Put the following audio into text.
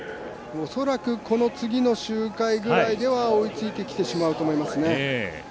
恐らく、次の周回ぐらいでは追いついてきてしまうと思いますね。